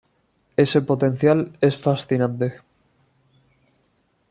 Ese potencial es fascinante.